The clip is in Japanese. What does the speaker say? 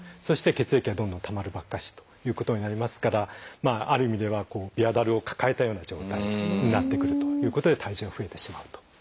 そして血液がどんどん溜まるばっかしということになりますからある意味ではビアだるを抱えたような状態になってくるということで体重が増えてしまうと。